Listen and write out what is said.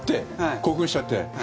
興奮しちゃって。